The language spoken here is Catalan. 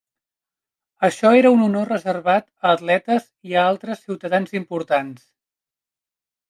Això era un honor reservat a atletes i a altres ciutadans importants.